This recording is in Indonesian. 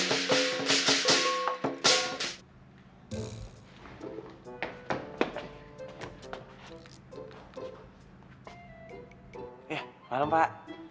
eh malam pak